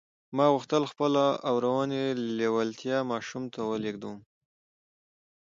ما غوښتل خپله اورنۍ لېوالتیا ماشوم ته ولېږدوم